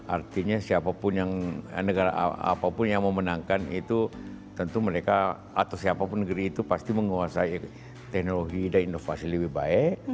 artinya siapapun yang negara apapun yang memenangkan itu tentu mereka atau siapapun negeri itu pasti menguasai teknologi dan inovasi lebih baik